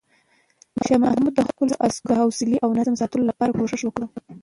شاه محمود د خپلو عسکرو د حوصلې او نظم ساتلو لپاره کوښښ وکړ.